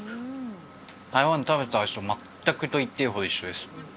台湾で食べた味と全くと言っていいほど一緒です